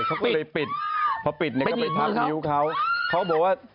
พอปิดก็ไปพับนิ้วเขาเขาบอกว่า